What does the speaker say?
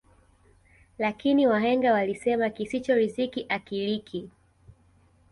Lakini wahenga walisema kisicho riziki akiliki